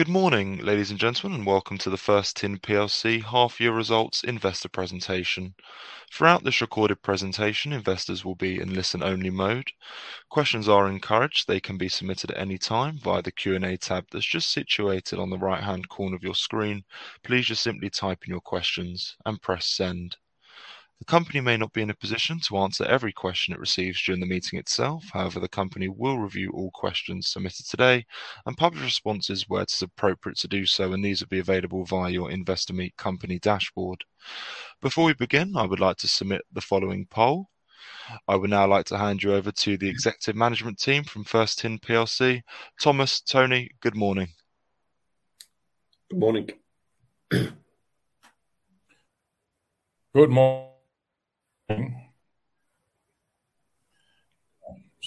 Good morning, ladies and gentlemen, and welcome to the First Tin PLC half-year results investor presentation. Throughout this recorded presentation, investors will be in listen-only mode. Questions are encouraged. They can be submitted at any time via the Q&A tab that's just situated on the right-hand corner of your screen. Please just simply type in your questions and press Send. The company may not be in a position to answer every question it receives during the meeting itself. However, the company will review all questions submitted today and publish responses where it is appropriate to do so, and these will be available via your InvestorMeetCompany dashboard. Before we begin, I would like to submit the following poll. I would now like to hand you over to the executive management team from First Tin PLC. Thomas, Tony, good morning. Good morning. Good morning.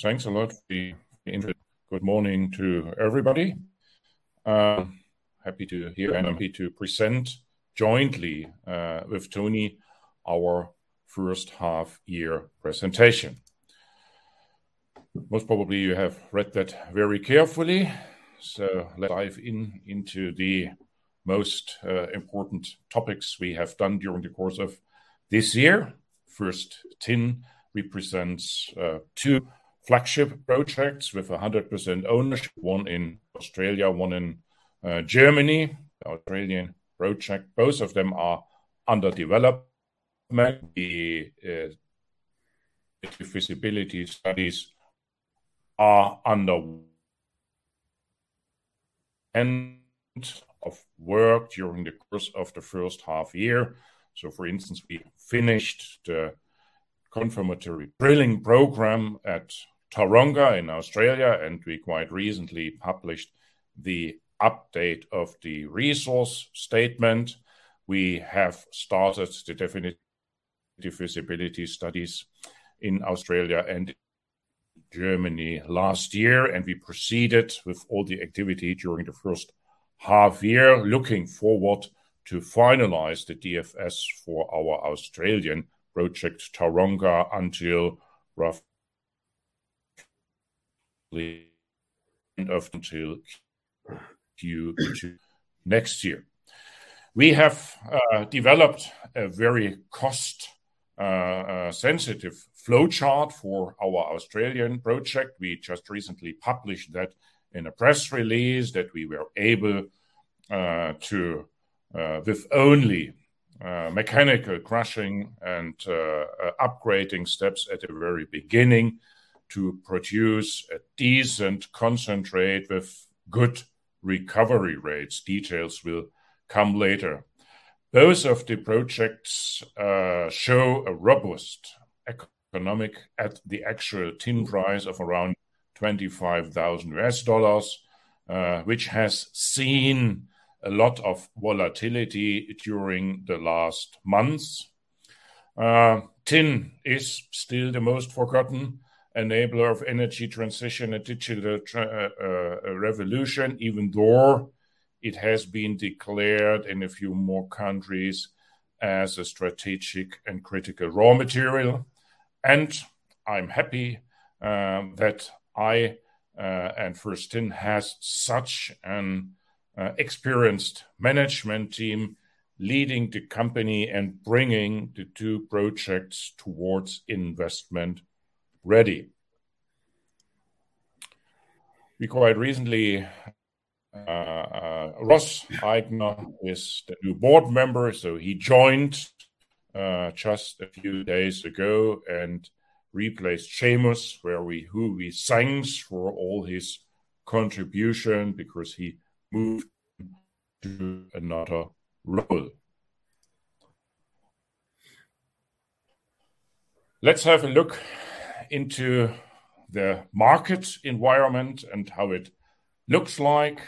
Thanks a lot for the invite. Good morning to everybody. Happy to be here and happy to present jointly with Tony our first half year presentation. Most probably you have read that very carefully. Let's dive into the most important topics we have done during the course of this year. First Tin represents two flagship projects with 100% ownership, one in Australia, one in Germany. The Australian project, both of them are under development. The feasibility studies are nearing the end of work during the course of the first half year. For instance, we finished the confirmatory drilling program at Taronga in Australia, and we quite recently published the update of the resource statement. We have started the definitive feasibility studies in Australia and Germany last year, and we proceeded with all the activity during the first half year, looking forward to finalize the DFS for our Australian project, Taronga, until Q2 next year. We have developed a very cost sensitive flowchart for our Australian project. We just recently published that in a press release that we were able to with only mechanical crushing and upgrading steps at the very beginning to produce a decent concentrate with good recovery rates. Details will come later. Both of the projects show a robust economic at the actual tin price of around $25,000, which has seen a lot of volatility during the last months. Tin is still the most forgotten enabler of energy transition and digital revolution, even though it has been declared in a few more countries as a strategic and critical raw material. I'm happy that I and First Tin has such an experienced management team leading the company and bringing the two projects towards investment ready. We quite recently Ross Aingworth is the new board member, so he joined just a few days ago and replaced Seamus, who we thanked for all his contribution because he moved to another role. Let's have a look into the market environment and how it looks like.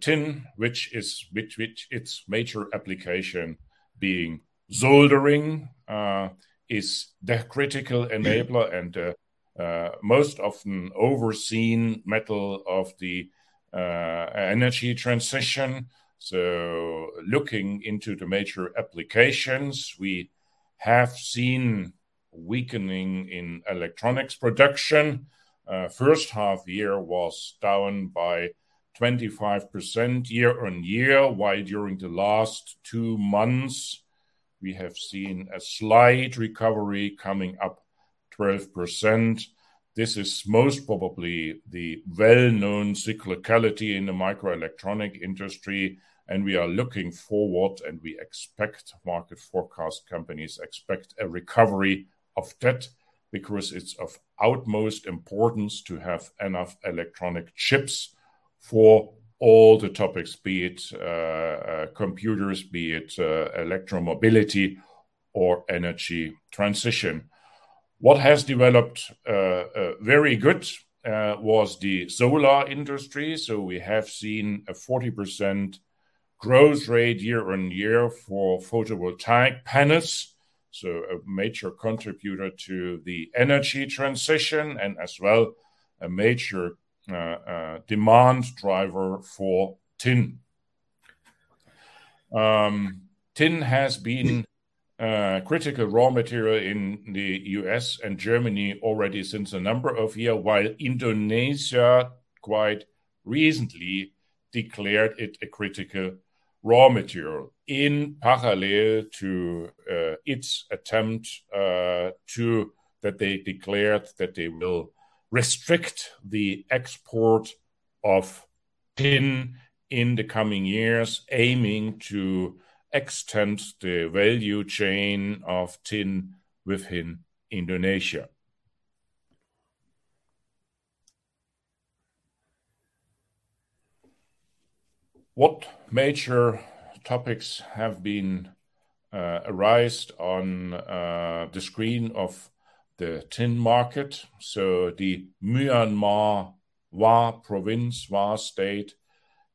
Tin, which its major application being soldering, is the critical enabler and most often overseen metal of the energy transition. Looking into the major applications, we have seen weakening in electronics production. First half year was down by 25% year-over-year, while during the last two months we have seen a slight recovery coming up 12%. This is most probably the well-known cyclicality in the microelectronic industry, and we are looking forward, and we expect market forecast companies expect a recovery of that because it's of utmost importance to have enough electronic chips for all the topics, be it computers, be it electromobility or energy transition. What has developed very good was the solar industry. We have seen a 40% growth rate year-on-year for photovoltaic panels, so a major contributor to the energy transition and as well a major demand driver for tin. Tin has been a critical raw material in the U.S. and Germany already since a number of years. While Indonesia quite recently declared it a critical raw material in parallel to its attempt that they declared that they will restrict the export of tin in the coming years, aiming to extend the value chain of tin within Indonesia. What major topics have been arisen on the scene of the tin market? The Myanmar Wa province, Wa State,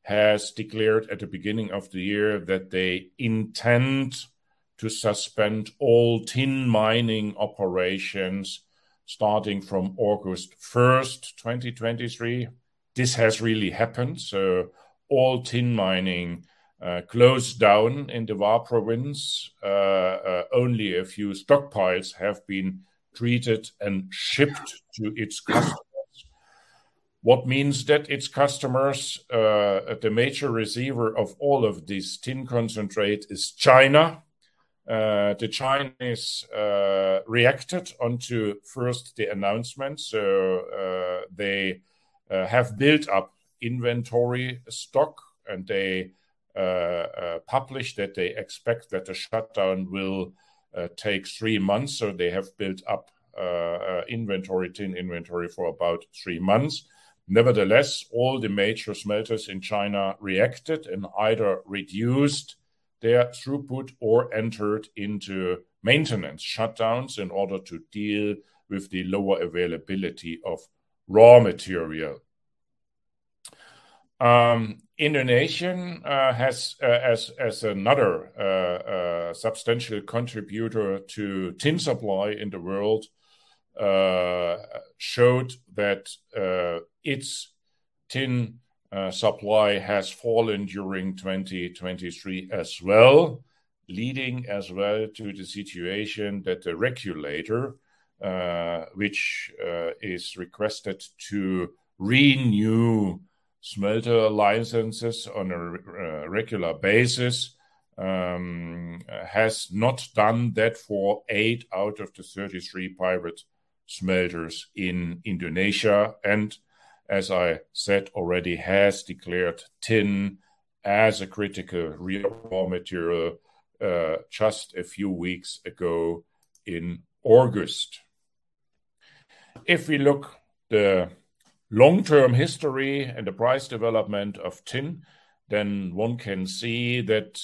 has declared at the beginning of the year that they intend to suspend all tin mining operations starting from August 1, 2023. This has really happened, so all tin mining closed down in the Wa province. Only a few stockpiles have been treated and shipped to its customers. That means that its customers, the major receiver of all of this tin concentrate is China. The Chinese reacted to the first announcement, they have built up inventory stock, and they published that they expect that the shutdown will take three months. They have built up tin inventory for about three months. Nevertheless, all the major smelters in China reacted and either reduced their throughput or entered into maintenance shutdowns in order to deal with the lower availability of raw material. Indonesia, as another substantial contributor to tin supply in the world, showed that its tin supply has fallen during 2023 as well, leading as well to the situation that the regulator, which is required to renew smelter licenses on a regular basis, has not done that for 8 out of the 33 private smelters in Indonesia. As I said already, it has declared tin as a critical raw material just a few weeks ago in August. If we look the long-term history and the price development of tin, then one can see that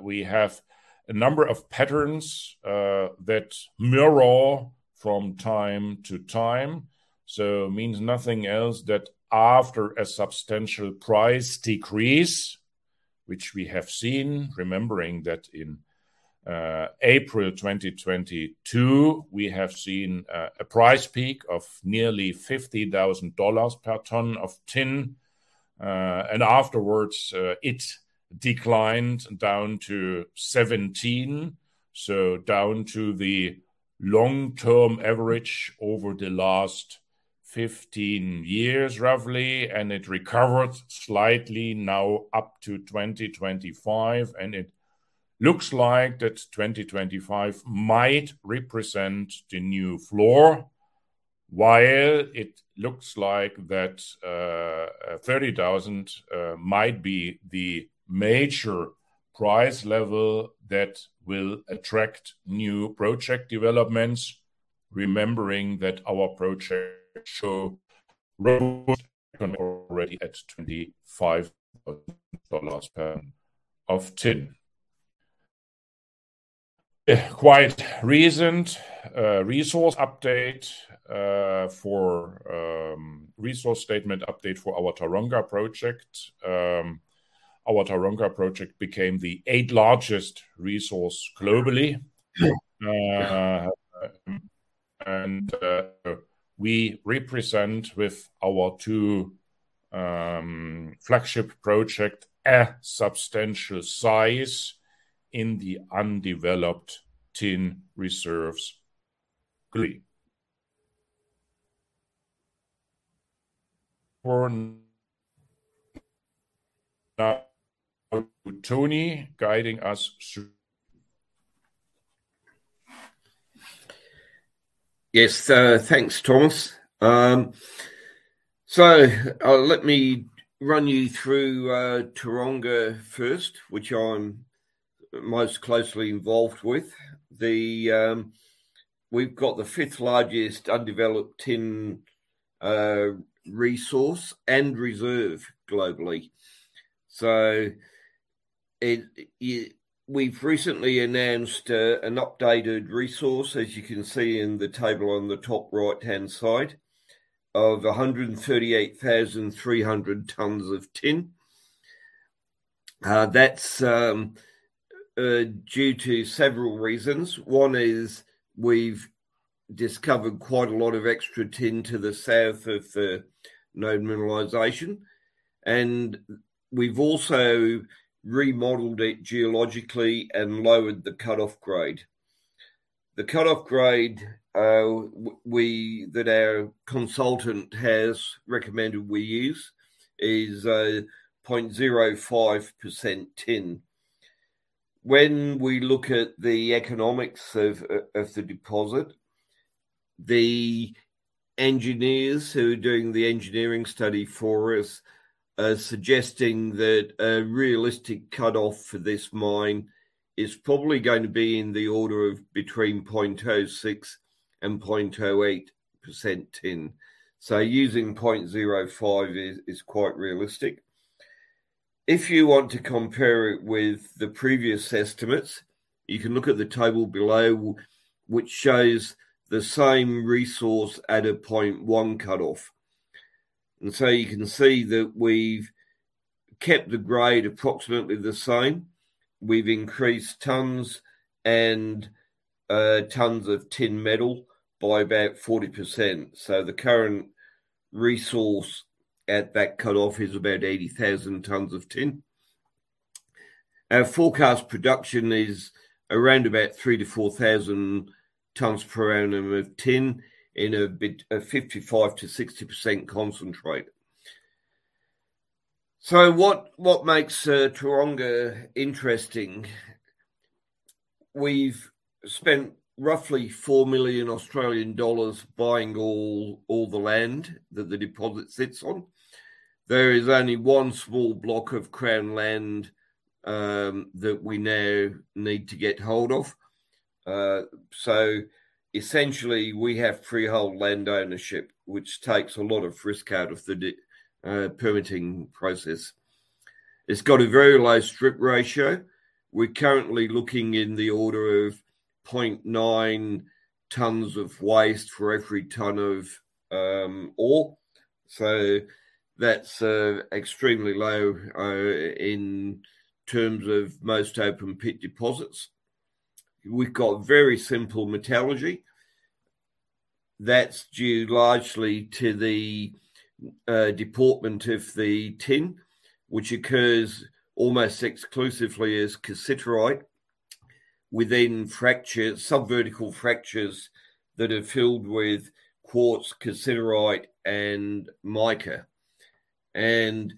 we have a number of patterns that mirror from time to time. Means nothing else that after a substantial price decrease, which we have seen, remembering that in April 2022, we have seen a price peak of nearly $50,000 per ton of tin. Afterwards, it declined down to $17,000, so down to the long-term average over the last 15 years, roughly. It recovered slightly now up to $25,000, and it looks like that $25,000 might represent the new floor. While it looks like that $30,000 might be the major price level that will attract new project developments, remembering that our project is shovel-ready already at $25,000 per ton of tin. A quite recent resource statement update for our Taronga project. Our Taronga project became the eighth largest resource globally. We represent with our two flagship projects a substantial size in the undeveloped tin reserves globally. Over now to Tony guiding us through. Yes, thanks, Thomas. Let me run you through Taronga first, which I'm most closely involved with. We've got the fifth largest undeveloped tin resource and reserve globally. We've recently announced an updated resource, as you can see in the table on the top right-hand side, of 138,300 tons of tin. That's due to several reasons. One is we've discovered quite a lot of extra tin to the south of the known mineralization, and we've also remodeled it geologically and lowered the cutoff grade. The cutoff grade that our consultant has recommended we use is 0.05% tin. When we look at the economics of the deposit, the engineers who are doing the engineering study for us are suggesting that a realistic cutoff for this mine is probably going to be in the order of between 0.06% and 0.08% tin. Using 0.05 is quite realistic. If you want to compare it with the previous estimates, you can look at the table below, which shows the same resource at a 0.1 cutoff. You can see that we've kept the grade approximately the same. We've increased tons of tin metal by about 40%. The current resource at that cutoff is about 80,000 tons of tin. Our forecast production is around about 3,000-4,000 tons per annum of tin in about 55%-60% concentrate. What makes Taronga interesting? We've spent roughly 4 million Australian dollars buying all the land that the deposit sits on. There is only one small block of Crown land that we now need to get hold of. Essentially we have freehold land ownership, which takes a lot of risk out of the permitting process. It's got a very low strip ratio. We're currently looking in the order of 0.9 tons of waste for every ton of ore. That's extremely low in terms of most open pit deposits. We've got very simple metallurgy. That's due largely to the deportment of the tin, which occurs almost exclusively as cassiterite within fractures, sub-vertical fractures that are filled with quartz, cassiterite, and mica. The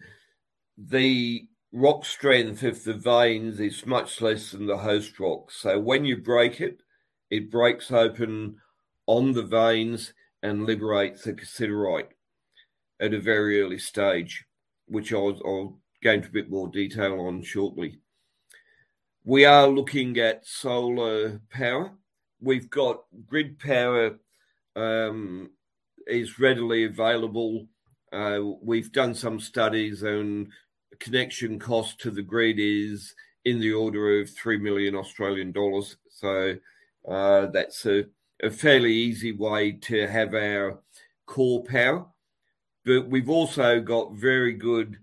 rock strength of the veins is much less than the host rock. When you break it breaks open on the veins and liberates the cassiterite at a very early stage, which I'll go into a bit more detail on shortly. We are looking at solar power. We've got grid power is readily available. We've done some studies and connection cost to the grid is in the order of AUD 3 million. That's a fairly easy way to have our core power. But we've also got very good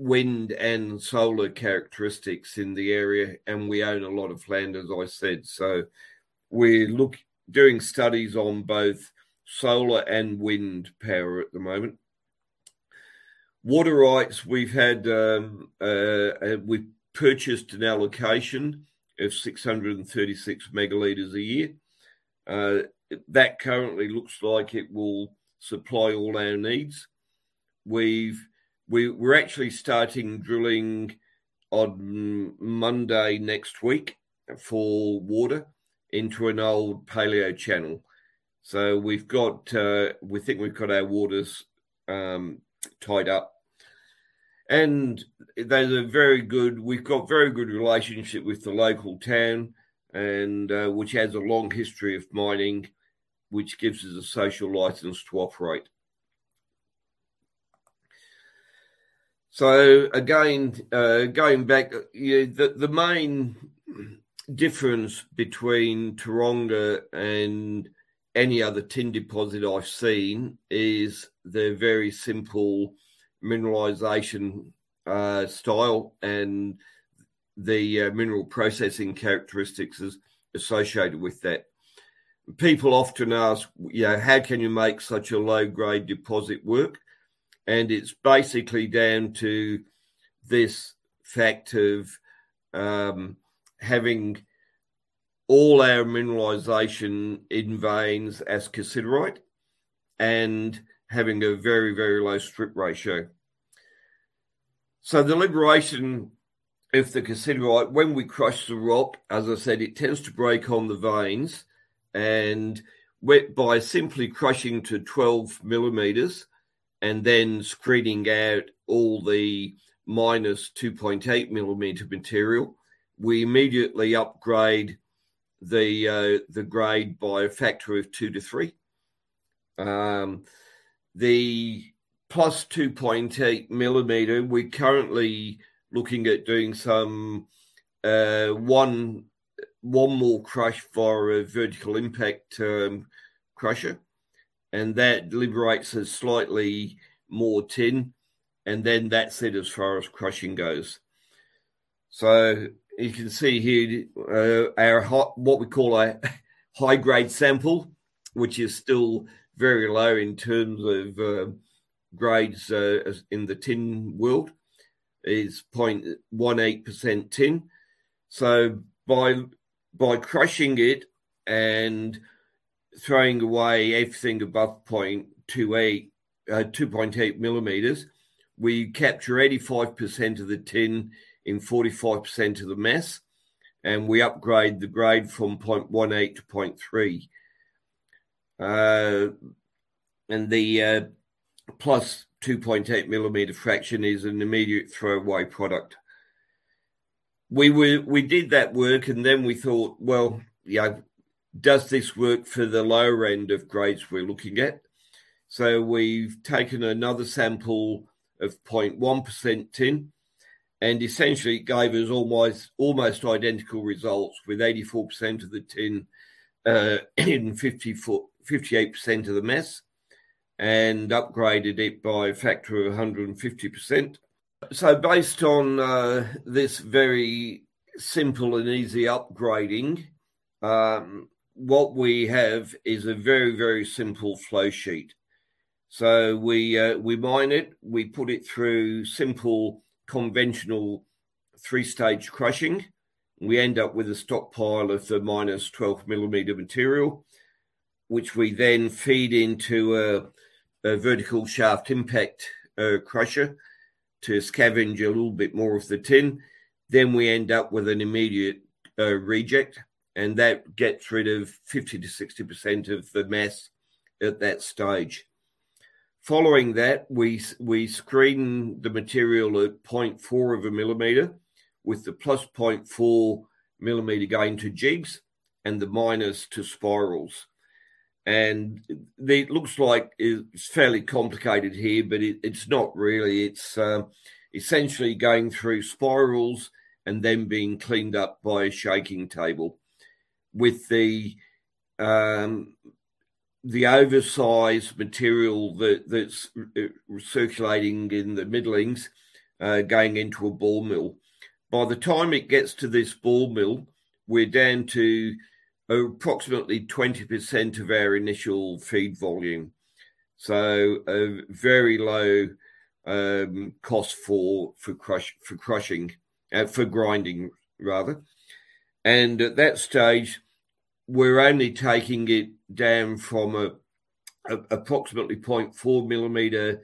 wind and solar characteristics in the area, and we own a lot of land, as I said. We're doing studies on both solar and wind power at the moment. Water rights, we've purchased an allocation of 636 megaliters a year. That currently looks like it will supply all our needs. We're actually starting drilling on Monday next week for water into an old paleo channel. We think we've got our waters tied up. We've got very good relationship with the local town and which has a long history of mining, which gives us a social license to operate. Again, going back, the main difference between Taronga and any other tin deposit I've seen is the very simple mineralization style and the mineral processing characteristics associated with that. People often ask, you know, "How can you make such a low-grade deposit work?" It's basically down to this fact of having all our mineralization in veins as cassiterite and having a very, very low strip ratio. The liberation of the cassiterite, when we crush the rock, as I said, it tends to break on the veins. By simply crushing to 12 mm and then screening out all the minus 2.8-mm material, we immediately upgrade the grade by a factor of 2-3. The plus 2.8-mm material, we're currently looking at doing one more crush for a vertical impact crusher. That liberates slightly more tin, and then that's it as far as crushing goes. You can see here our high-grade sample, what we call a high-grade sample, which is still very low in terms of grades as in the tin world, is 0.18% tin. By crushing it and throwing away everything above 0.28, 2.8 mm, we capture 85% of the tin in 45% of the mass, and we upgrade the grade from 0.18 to 0.3. The plus 2.8 mm fraction is an immediate throw away product. We did that work, and then we thought, "Well, yeah, does this work for the lower end of grades we're looking at?" We've taken another sample of 0.1% tin, and essentially gave us almost identical results with 84% of the tin and 58% of the mass, and upgraded it by a factor of 150%. Based on this very simple and easy upgrading, what we have is a very, very simple flow sheet. We mine it, we put it through simple conventional three-stage crushing. We end up with a stockpile of the minus 12 millimeter material, which we then feed into a vertical shaft impact crusher to scavenge a little bit more of the tin. We end up with an immediate reject, and that gets rid of 50%-60% of the mass at that stage. Following that, we screen the material at 0.4 of a millimeter, with the plus 0.4 millimeter going to jigs and the minus to spirals. It looks like it's fairly complicated here, but it's not really. It's essentially going through spirals and then being cleaned up by a shaking table. The oversize material that's recirculating in the middlings going into a ball mill. By the time it gets to this ball mill, we're down to approximately 20% of our initial feed volume, so a very low cost for grinding rather. At that stage, we're only taking it down from approximately 0.4 millimeter,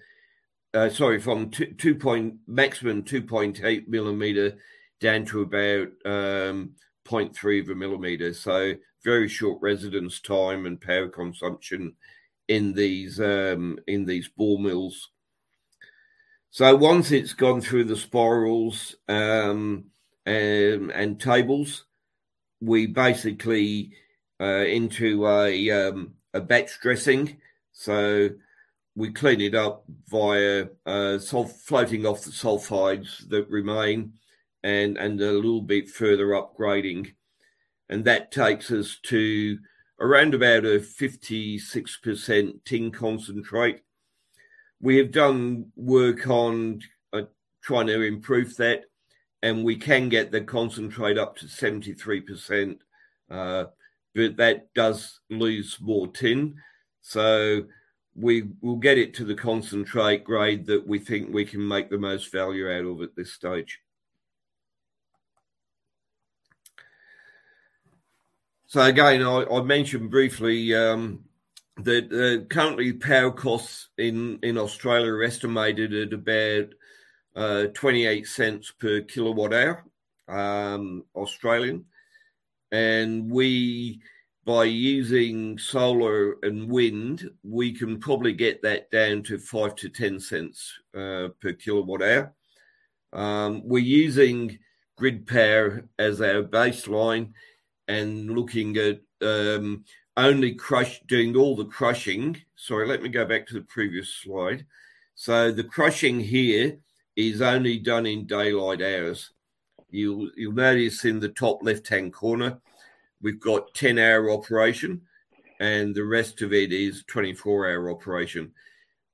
sorry, from two, maximum 2.8 millimeter down to about 0.3 millimeter. Very short residence time and power consumption in these ball mills. Once it's gone through the spirals and tables, we basically into a batch dressing. We clean it up via floating off the sulfides that remain and a little bit further upgrading. That takes us to around about a 56% tin concentrate. We have done work on trying to improve that, and we can get the concentrate up to 73%. That does lose more tin, so we will get it to the concentrate grade that we think we can make the most value out of at this stage. Again, I mentioned briefly that currently power costs in Australia are estimated at about 0.28 per kWh Australian. We, by using solar and wind, we can probably get that down to 0.05-0.10 per kWh. We're using grid power as our baseline and looking at doing all the crushing. Sorry, let me go back to the previous slide. The crushing here is only done in daylight hours. You'll notice in the top left-hand corner, we've got 10-hour operation, and the rest of it is 24-hour operation.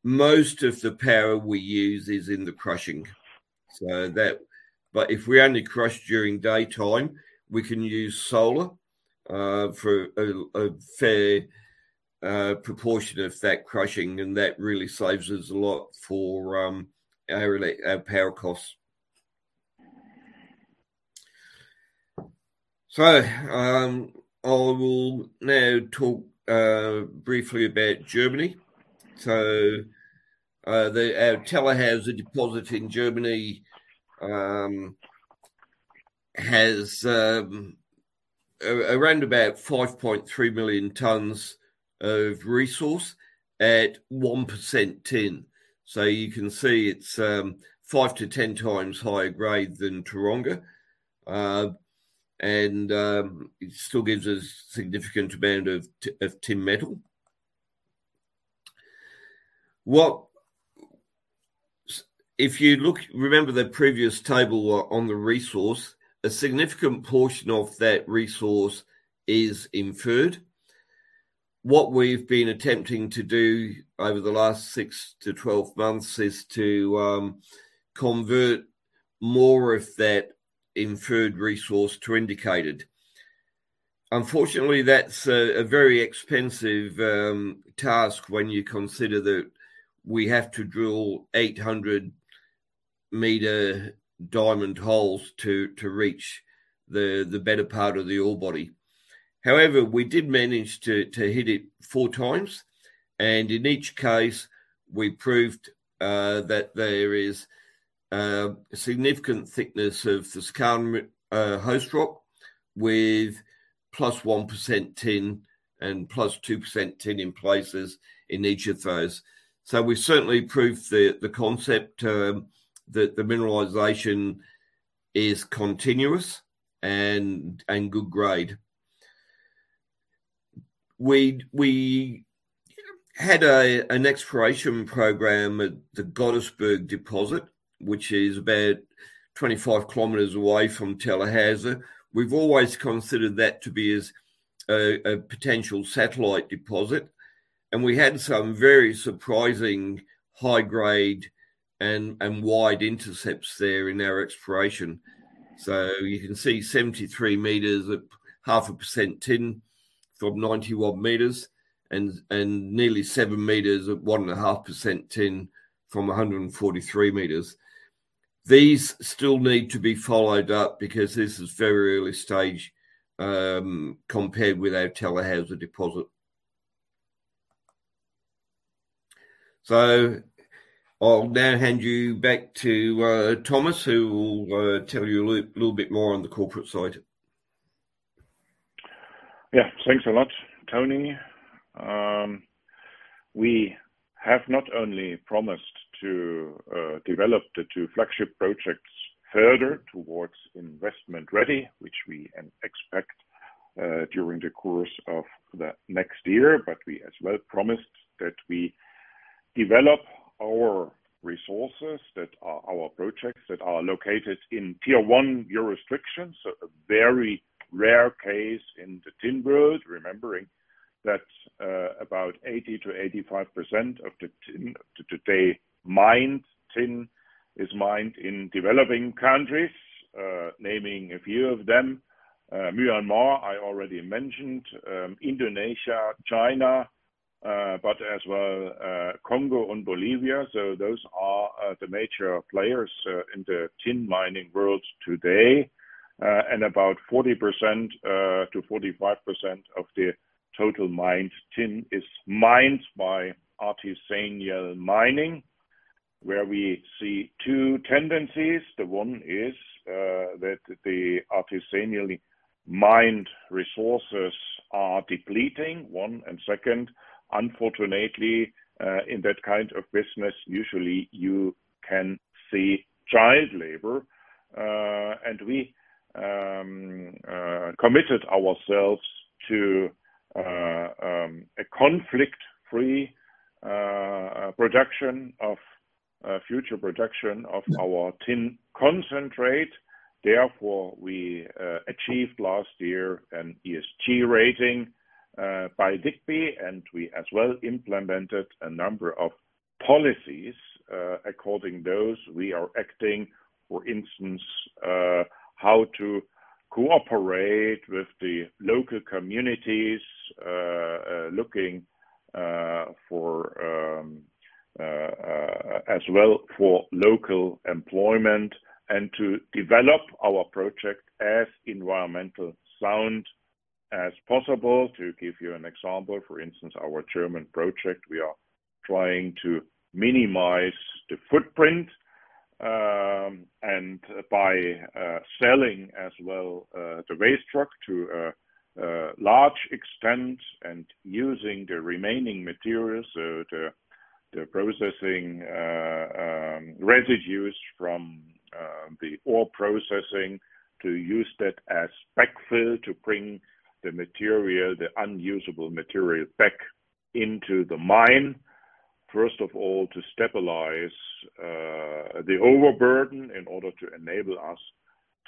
Most of the power we use is in the crushing. If we only crush during daytime, we can use solar for a fair proportion of that crushing, and that really saves us a lot for our power costs. I will now talk briefly about Germany. Our Tellerhäuser deposit in Germany has around 5.3 million tons of resource at 1% tin. You can see it's 5-10 times higher grade than Taronga. And it still gives a significant amount of tin metal. If you look, remember the previous table on the resource, a significant portion of that resource is inferred. What we've been attempting to do over the last 6 to 12 months is to convert more of that inferred resource to indicated. Unfortunately, that's a very expensive task when you consider that we have to drill 800-meter diamond holes to reach the better part of the ore body. However, we did manage to hit it four times, and in each case, we proved that there is significant thickness of the skarn host rock with +1% tin and +2% tin in places in each of those. We certainly proved the concept that the mineralization is continuous and good grade. We had an exploration program at the Gottesberg deposit, which is about 25 kilometers away from Tellerhäuser. We've always considered that to be a potential satellite deposit, and we had some very surprising high grade and wide intercepts there in our exploration. You can see 73 meters at 0.5% tin from 91 meters and nearly seven meters at 1.5% tin from 143 meters. These still need to be followed up because this is very early stage compared with our Tellerhäuser deposit. I'll now hand you back to Thomas, who will tell you a little bit more on the corporate side. Yeah. Thanks a lot, Tony. We have not only promised to develop the two flagship projects further towards investment ready, which we expect during the course of the next year. We as well promised that we develop our resources that are our projects that are located in Tier 1 jurisdictions, a very rare case in the tin world, remembering that about 80%-85% of the tin today mined tin is mined in developing countries. Naming a few of them, Myanmar, I already mentioned, Indonesia, China, but as well, Congo and Bolivia. Those are the major players in the tin mining world today. About 40%-45% of the total mined tin is mined by artisanal mining, where we see two tendencies. The one is that the artisanally mined resources are depleting. Second, unfortunately, in that kind of business, usually you can see child labor. We committed ourselves to a conflict-free production of our future tin concentrate. Therefore, we achieved last year an ESG rating by Digbee, and we as well implemented a number of policies. According to those, we are acting, for instance, how to cooperate with the local communities, looking as well for local employment and to develop our project as environmentally sound as possible. To give you an example, for instance, our German project, we are trying to minimize the footprint, and by selling as well the waste rock to a large extent, and using the remaining materials, so the processing residues from the ore processing to use that as backfill to bring the material, the unusable material back into the mine. First of all, to stabilize the overburden in order to enable us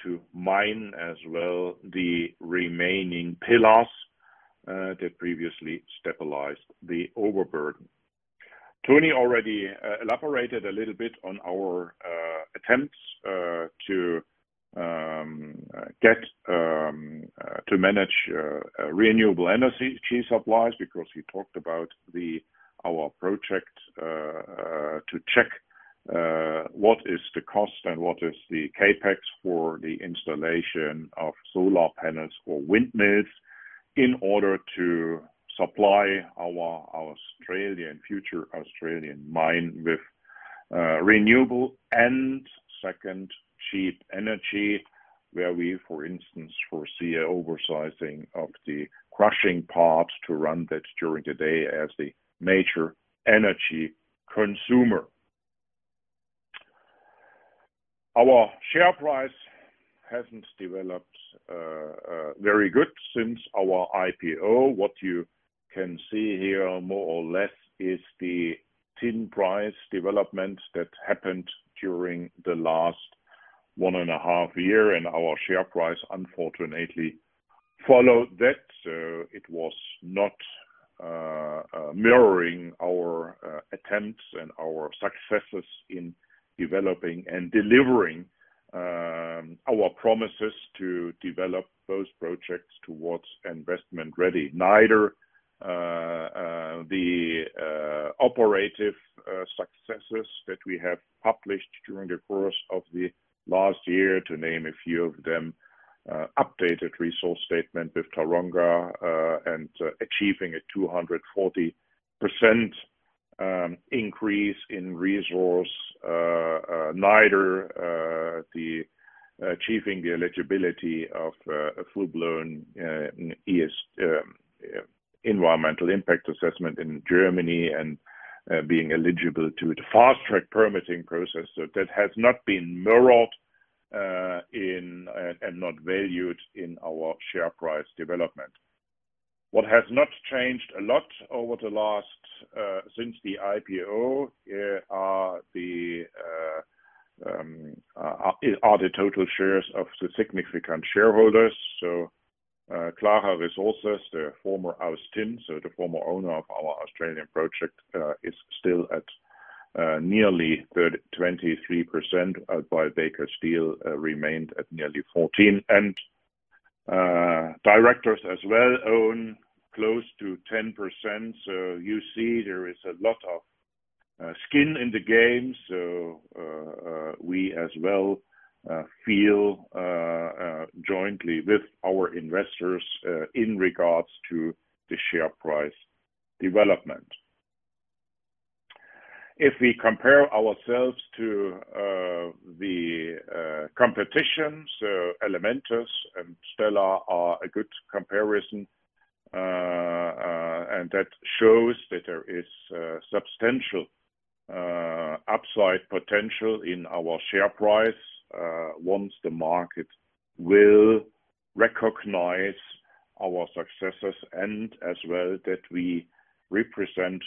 to mine as well the remaining pillars that previously stabilized the overburden. Tony already elaborated a little bit on our attempts to get to manage renewable energy supplies because he talked about our project to check what is the cost and what is the CapEx for the installation of solar panels or windmills in order to supply our Australian future Australian mine with renewable and second cheap energy, where we, for instance, foresee a oversizing of the crushing parts to run that during the day as the major energy consumer. Our share price hasn't developed very good since our IPO. What you can see here more or less is the tin price development that happened during the last 1.5 years, and our share price unfortunately followed that. It was not mirroring our attempts and our successes in developing and delivering our promises to develop those projects towards investment ready. Neither the operative successes that we have published during the course of the last year, to name a few of them, updated resource statement with Taronga and achieving a 240% increase in resource, neither the achieving the eligibility of a full-blown Environmental Impact Assessment in Germany and being eligible to the fast-track permitting process, that has not been mirrored in and not valued in our share price development. What has not changed a lot over the last since the IPO are the total shares of the significant shareholders. Clara Resources, the former Aus Tin, the former owner of our Australian project, is still at nearly 23%. With Baker Steel remained at nearly 14%. Directors as well own close to 10%. You see there is a lot of skin in the game. We as well feel jointly with our investors in regards to the share price development. If we compare ourselves to the competition, Elementos and Stellar Resources are a good comparison. That shows that there is substantial upside potential in our share price once the market will recognize our successes and as well that we represent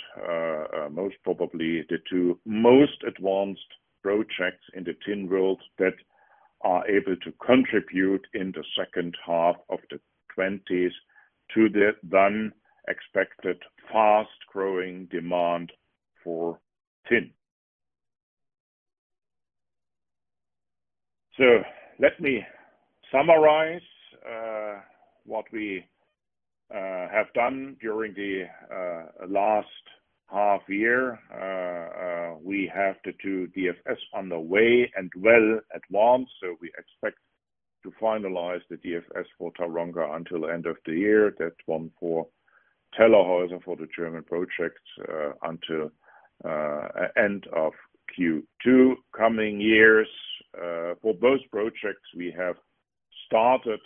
most probably the two most advanced projects in the tin world that are able to contribute in the second half of the twenties to the then expected fast-growing demand for tin. Let me summarize what we have done during the last half year. We have the two DFS underway and well advanced, so we expect to finalize the DFS for Taronga until end of the year. That one for Tellerhäuser, for the German project, until end of Q2. Coming years, for both projects, we have started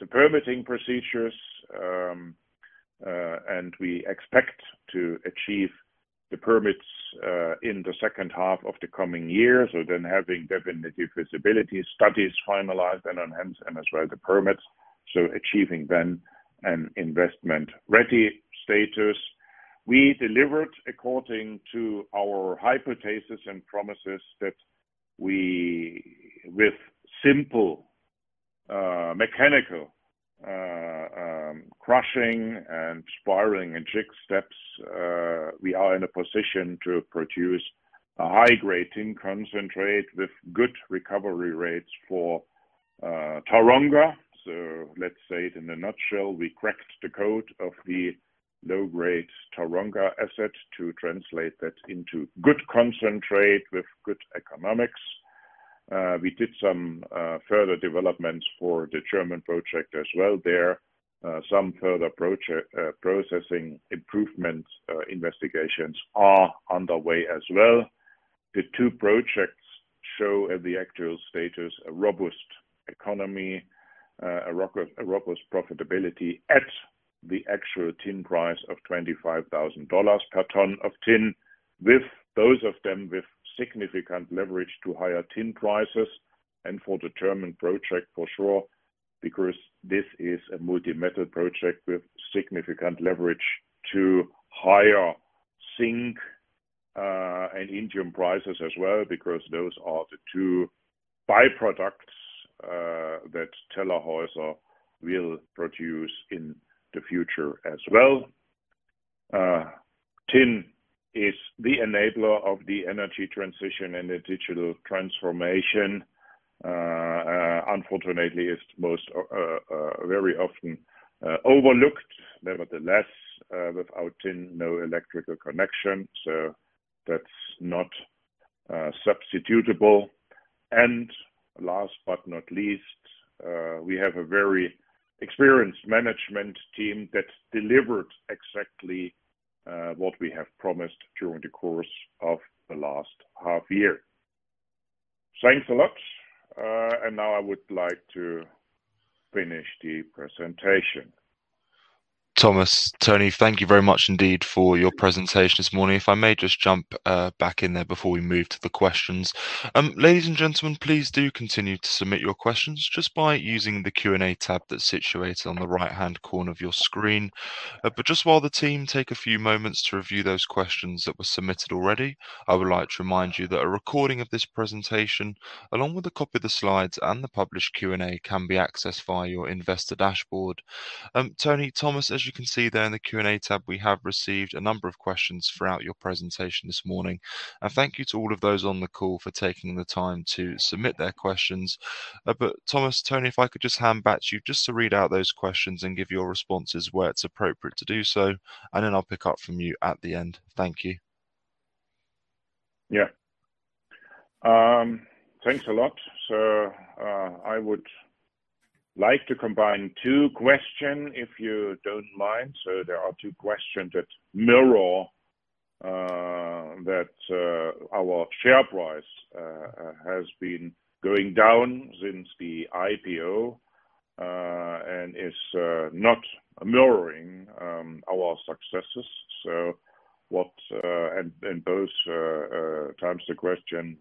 the permitting procedures and we expect to achieve the permits in the second half of the coming year. Having definitive feasibility studies finalized and enhanced, and as well the permits, achieving an investment ready status. We delivered according to our hypothesis and promises that we with simple mechanical crushing and spiraling and jig steps we are in a position to produce a high-grade tin concentrate with good recovery rates for Taronga. Let's say it in a nutshell, we cracked the code of the low-grade Taronga asset to translate that into good concentrate with good economics. We did some further developments for the German project as well there. Some further processing improvements, investigations are underway as well. The two projects show at the actual status a robust economy, a robust profitability at the actual tin price of $25,000 per ton of tin, with those of them with significant leverage to higher tin prices and for the German project for sure, because this is a multi-metal project with significant leverage to higher zinc and indium prices as well, because those are the two by-products that Tellerhäuser will produce in the future as well. Tin is the enabler of the energy transition and the digital transformation. Unfortunately, it's very often overlooked. Nevertheless, without tin, no electrical connection, so that's not substitutable. Last but not least, we have a very experienced management team that delivered exactly what we have promised during the course of the last half year. Thanks a lot. Now I would like to finish the presentation. Thomas, Tony, thank you very much indeed for your presentation this morning. If I may just jump back in there before we move to the questions. Ladies and gentlemen, please do continue to submit your questions just by using the Q&A tab that's situated on the right-hand corner of your screen. But just while the team take a few moments to review those questions that were submitted already, I would like to remind you that a recording of this presentation, along with a copy of the slides and the published Q&A, can be accessed via your investor dashboard. Tony, Thomas, as you can see there in the Q&A tab, we have received a number of questions throughout your presentation this morning. Thank you to all of those on the call for taking the time to submit their questions. Thomas, Tony, if I could just hand back to you just to read out those questions and give your responses where it's appropriate to do so, and then I'll pick up from you at the end. Thank you. Yeah. Thanks a lot. I would like to combine two questions, if you don't mind. There are two questions that mirror that our share price has been going down since the IPO and is not mirroring our successes. In both times the question,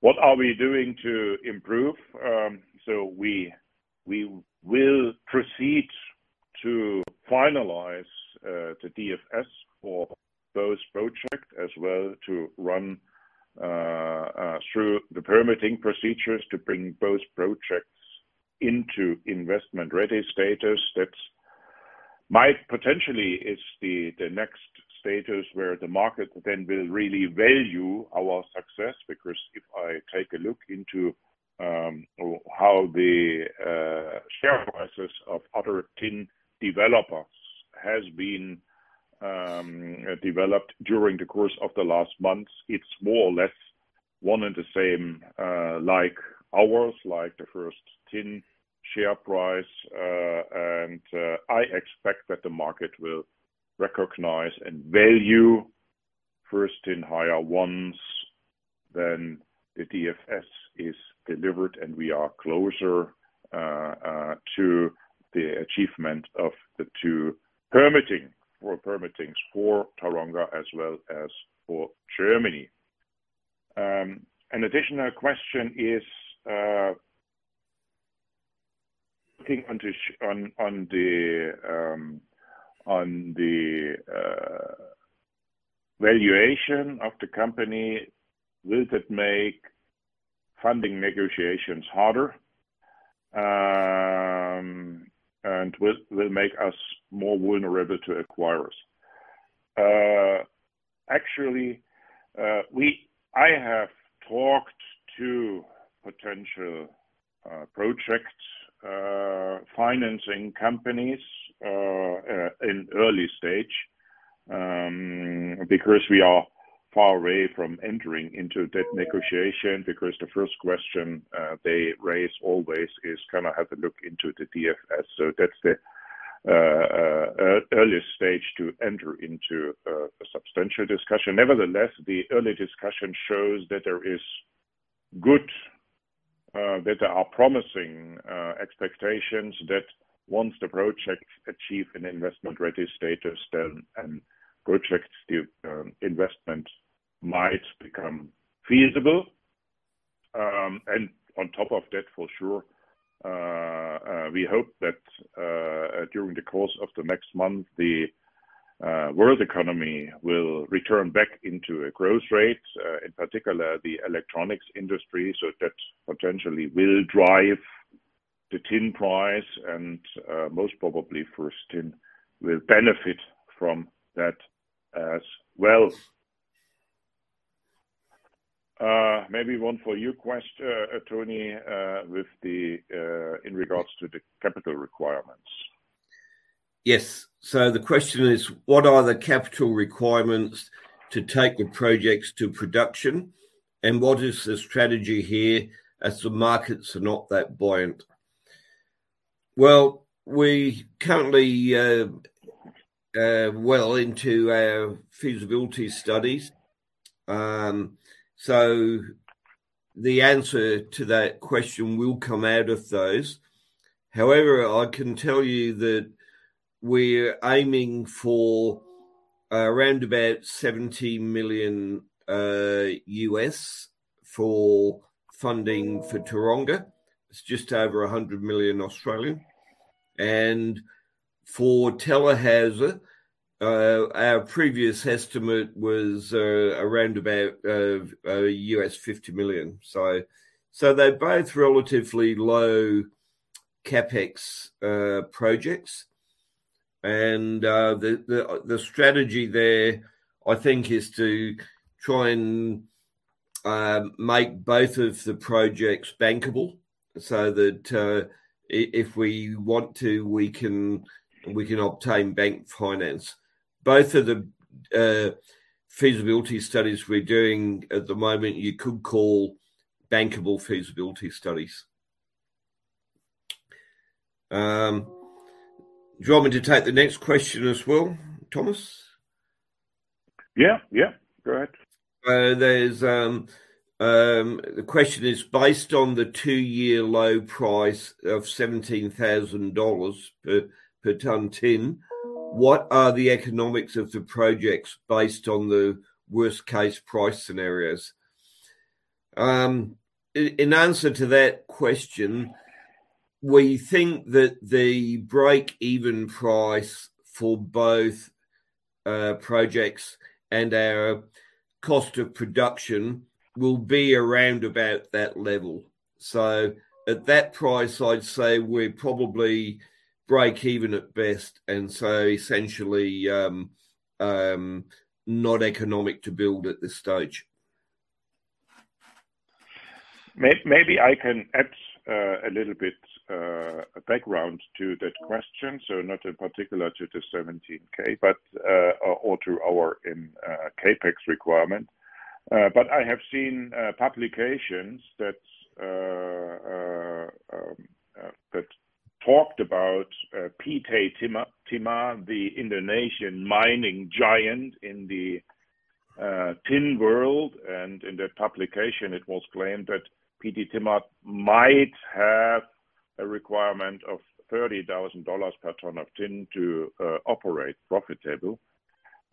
what are we doing to improve? We will proceed to finalize the DFS for both projects as well to run through the permitting procedures to bring both projects into investment-ready status. That might potentially is the next status where the market then will really value our success, because if I take a look into how the share prices of other tin developers has been developed during the course of the last months, it's more or less one and the same like ours like the First Tin share price. I expect that the market will recognize and value First Tin higher once then the DFS is delivered and we are closer to the achievement of the two permitting for Taronga as well as for Germany. An additional question is taking on this on the valuation of the company, will that make funding negotiations harder and will make us more vulnerable to acquirers? Actually, I have talked to potential project financing companies in early stage because we are far away from entering into that negotiation because the first question they always raise is, "Can I have a look into the DFS?" That's the earliest stage to enter into a substantial discussion. Nevertheless, the early discussion shows that there are promising expectations that once the project achieve an investment-ready status, then project investment might become feasible. On top of that, for sure, we hope that during the course of the next month, the world economy will return back into a growth rate, in particular the electronics industry. That potentially will drive the tin price and most probably First Tin will benefit from that as well. Maybe one for you, Tony, with regard to the capital requirements. Yes. The question is, what are the capital requirements to take the projects to production? And what is the strategy here as the markets are not that buoyant? Well, we're well into our feasibility studies. The answer to that question will come out of those. However, I can tell you that we're aiming for around $70 million for funding for Taronga. It's just over 100 million. For Tellerhäuser, our previous estimate was around $50 million. They're both relatively low CapEx projects. The strategy there, I think, is to try and make both of the projects bankable so that if we want to, we can obtain bank finance. Both of the feasibility studies we're doing at the moment, you could call Bankable Feasibility Studies. Do you want me to take the next question as well, Thomas? Yeah. Yeah, great. The question is, based on the two-year low price of $17,000 per ton tin, what are the economics of the projects based on the worst-case price scenarios? In answer to that question, we think that the break-even price for both projects and our cost of production will be around about that level. At that price, I'd say we probably break even at best, and essentially not economic to build at this stage. Maybe I can add a little bit background to that question, so not in particular to the 17K, but or to our CapEx requirement. I have seen publications that talked about PT Timah, the Indonesian mining giant in the tin world. In that publication, it was claimed that PT Timah might have a requirement of $30,000 per ton of tin to operate profitable.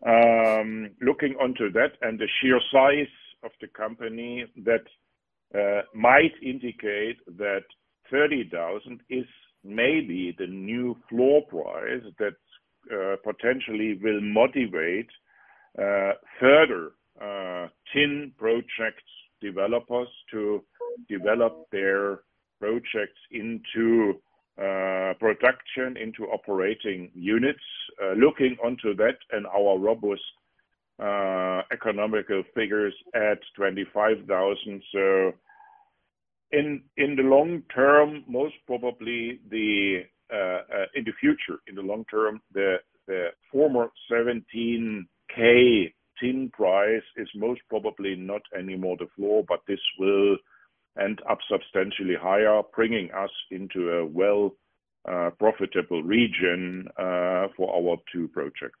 Looking onto that and the sheer size of the company that might indicate that $30,000 is maybe the new floor price that potentially will motivate further tin projects developers to develop their projects into production, into operating units. Looking onto that and our robust economic figures at $25,000. In the long term, most probably in the future, in the long term, the former $17,000 tin price is most probably not anymore the floor, but this will end up substantially higher, bringing us into a well profitable region for our two projects.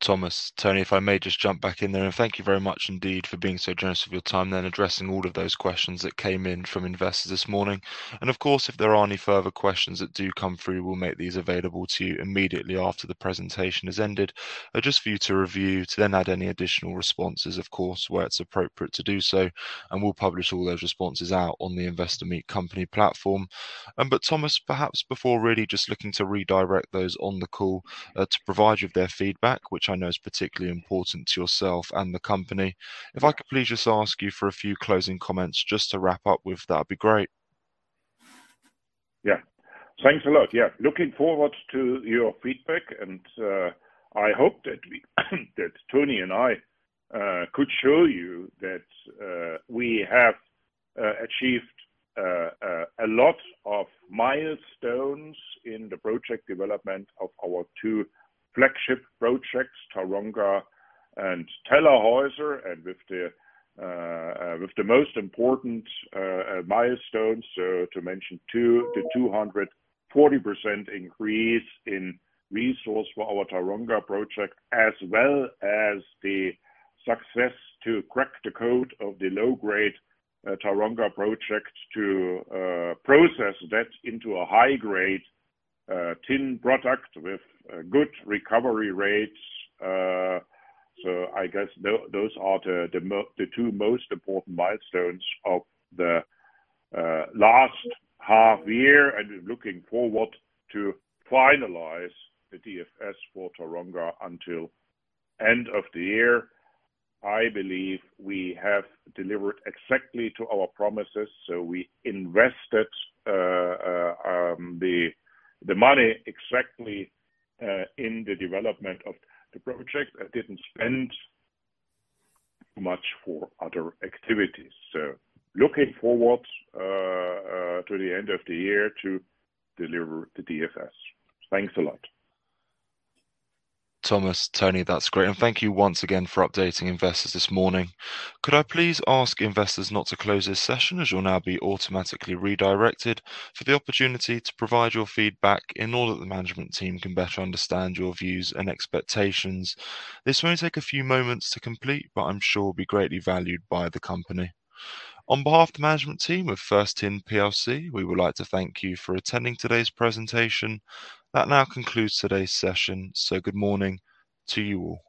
Thomas, Tony, if I may just jump back in there. Thank you very much indeed for being so generous with your time then addressing all of those questions that came in from investors this morning. Of course, if there are any further questions that do come through, we'll make these available to you immediately after the presentation has ended, just for you to review to then add any additional responses of course, where it's appropriate to do so, and we'll publish all those responses out on the InvestorMeetCompany platform. But Thomas, perhaps before really just looking to redirect those on the call, to provide you with their feedback, which I know is particularly important to yourself and the company. If I could please just ask you for a few closing comments just to wrap up with, that'd be great. Yeah. Thanks a lot. Yeah. Looking forward to your feedback and, I hope that we, Tony and I, could show you that we have achieved a lot of milestones in the project development of our two flagship projects, Taronga and Tellerhäuser, and with the most important milestone, so to mention two, the 240% increase in resource for our Taronga project, as well as the success to crack the code of the low-grade Taronga project to process that into a high-grade tin product with good recovery rates. I guess those are the two most important milestones of the last half year, and we're looking forward to finalize the DFS for Taronga until end of the year. I believe we have delivered exactly to our promises. We invested the money exactly in the development of the project and didn't spend much for other activities. Looking forward to the end of the year to deliver the DFS. Thanks a lot. Thomas, Tony, that's great. Thank you once again for updating investors this morning. Could I please ask investors not to close this session as you'll now be automatically redirected for the opportunity to provide your feedback in order that the management team can better understand your views and expectations. This may take a few moments to complete, but I'm sure will be greatly valued by the company. On behalf of the management team of First Tin PLC, we would like to thank you for attending today's presentation. That now concludes today's session. Good morning to you all.